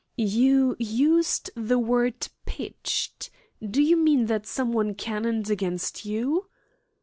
"You used the word 'pitched.' Do you mean that someone cannoned against you?"